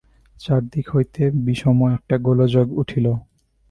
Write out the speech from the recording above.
চারিদিক হইতে বিষম একটা গোলযোগ উঠিল।